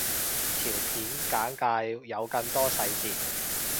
條片簡介有更多細節